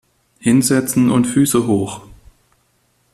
Hinsetzen und Füße hoch!